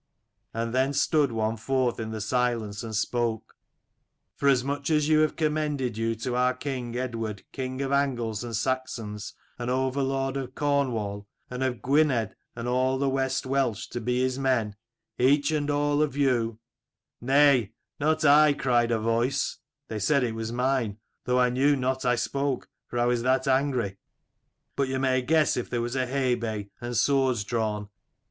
' And then stood one forth in the silence, and spoke, ' Forasmuch as you have commended you to our king Eadward, king of Angles and Saxons, and overlord of Cornwall and of Gwynedd and of all the West Welsh, to be his men, each and all of you ' "'Nay, not I,' cried a voice: they said it was 27 mine, though I knew not I spoke, for I was that angry. But you may guess if there was a haybay and swords drawn.